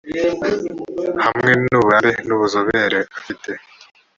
hamwe n uburambe n ubuzobere afite